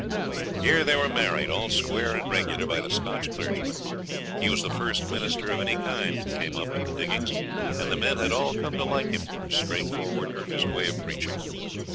Here they were married, all square and regular, by the Scotch clergyman. He was the first minister of any kind that came up to the diggings, and the men had all come to like him for his straightforward, earnest way of preaching.